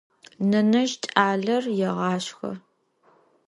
Nenezj ç'aler yêğaşşxe.